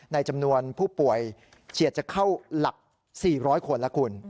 ในจำนวนผู้ป่วยเฉียดจะเข้าหลัก๔๐๐คนแล้วคุณ